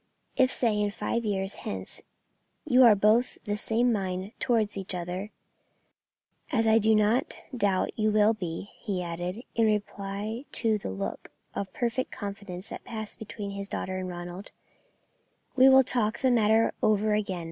If, say in five years hence, you are both of the same mind towards each other, as I do not doubt you will be," he added, in reply to the look of perfect confidence that passed between his daughter and Ronald, "we will talk the matter over again.